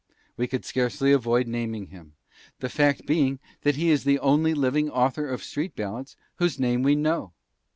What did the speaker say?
We could scarcely avoid naming him, the fact being that he is the only living author of street ballads whose name we know.